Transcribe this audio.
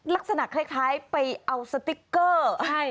ลักษณะคล้ายไปเอาสติ๊กเกอร์ให้